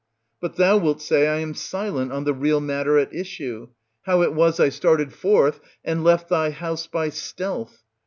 But thou wilt say I am silent on the real matter at issue, how it was I started forth and left thy house by stealth.